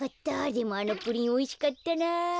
でもあのプリンおいしかったな。